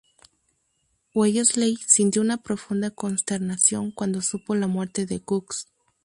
Wellesley sintió una profunda consternación cuando supo la muerte de Cocks.